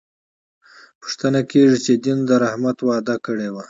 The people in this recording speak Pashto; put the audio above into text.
پوښتنه کېږي چې دین د رحمت وعده کړې وه.